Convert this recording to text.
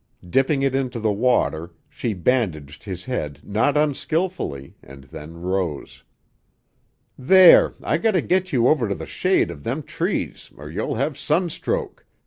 Dipping it into the water, she bandaged his head not unskilfully, and then rose. "There! I gotta git you over to the shade of them trees, or you'll have sunstroke.